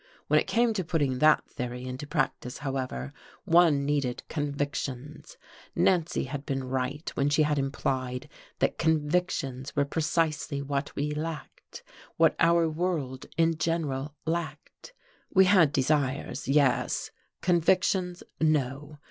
When it came to putting that theory into practice, however, one needed convictions: Nancy had been right when she had implied that convictions were precisely what we lacked; what our world in general lacked. We had desires, yes convictions, no.